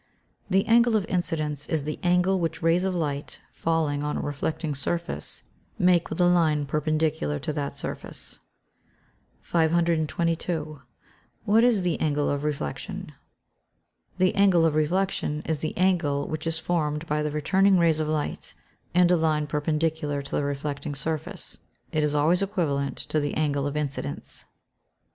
_ The angle of incidence is the angle which rays of light, falling on a reflecting surface, make with a line perpendicular to that surface. [Illustration: Fig. 14. EXPLAINING THE LINES AND ANGLES OF INCIDENCE AND OF REFLECTION.] 522. What is the angle of reflection? The angle of reflection is the angle which is formed by the returning rays of light, and a line perpendicular to the reflecting surface. It is always equivalent to the angle of incidence.